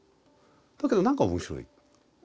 だけど何か面白い。